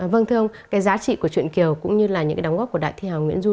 vâng thưa ông cái giá trị của chuyện kiều cũng như là những cái đóng góp của đại thi hào nguyễn du